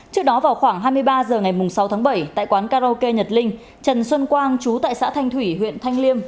trước đó vào khoảng hai mươi ba h ngày sáu tháng bảy tại quán karaoke nhật linh trần xuân quang chú tại xã thanh thủy huyện thanh liêm